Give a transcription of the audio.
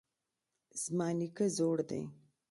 زما نیکه زوړ دی